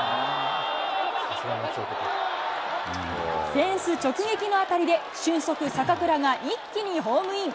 フェンス直撃の当たりで、俊足、坂倉が一気にホームイン。